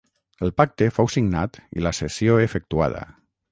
El pacte fou signat i la cessió efectuada.